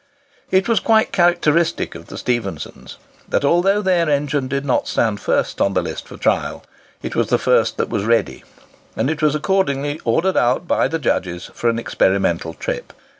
It was quite characteristic of the Stephensons, that, although their engine did not stand first on the list for trial, it was the first that was ready; and it was accordingly ordered out by the judges for an experimental trip.